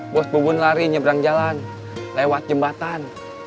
bos bubun lari nyebrang jalan lewat jembatan